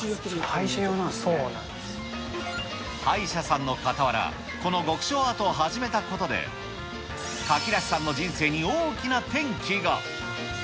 歯医者さんのかたわら、この極小アートを始めたことで、かきらしさんの人生に大きな転機